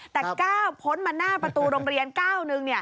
แต่ก้าวพ้นมาหน้าประตูโรงเรียน๙นึง